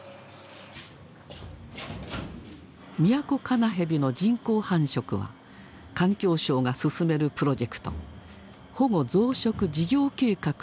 ミヤコカナヘビの人工繁殖は環境省が進めるプロジェクト「保護増殖事業計画」の一環だ。